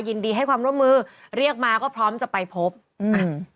ยินดีให้ความร่วมมือเรียกมาก็พร้อมจะไปพบอืมอ่ะ